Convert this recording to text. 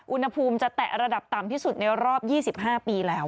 อุณหภูมิจะแตะระดับต่ำที่สุดในรอบ๒๕ปีแล้ว